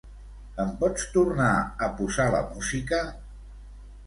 Em pots tornar a posar la música?